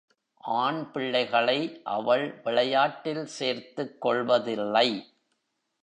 ஆண்பிள்ளைகளை அவள் விளையாட்டில் சேர்த்துக் கொள்வதில்லை.